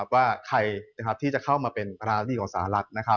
ว่าใครที่จะเข้ามาเป็นภาระหนี้ของสหรัฐ